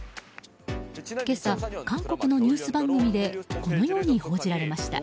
今朝、韓国のニュース番組でこのように報じられました。